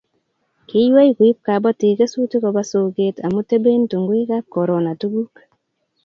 iywei kuib kabotik kesutik koba soket amu teben tunguikab korona tuguk